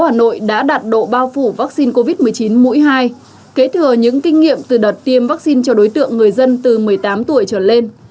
hà nội đã đạt độ bao phủ vaccine covid một mươi chín mũi hai kế thừa những kinh nghiệm từ đợt tiêm vaccine cho đối tượng người dân từ một mươi tám tuổi trở lên